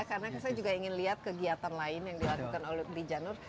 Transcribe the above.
karena saya juga ingin lihat kegiatan lain yang dilakukan oleh blijanur